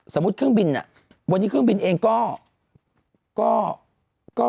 เครื่องบินวันนี้เครื่องบินเองก็